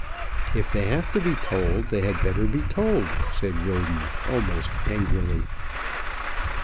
"If they have to be told, they had better be told," said Roden, almost angrily.